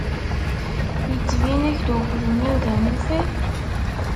Yettbin-ak-d uqjun-iw d amufay?